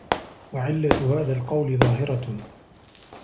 وَعِلَّةُ هَذَا الْقَوْلِ ظَاهِرَةٌ